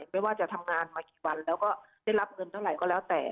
ไม่ว่าจะทำงานมากี่วันแล้วก็ได้รับเงินเท่าไหร่ก็แล้วแต่